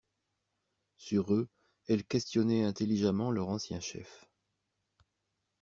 Sur eux, elle questionnait intelligemment leur ancien chef.